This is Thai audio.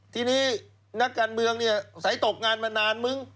ทีนี้นักการเมืองเนี่ยสายตกงานมานานมึง